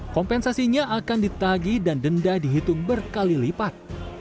kompensasinya akan ditagi dan denda dihitung berkali lipat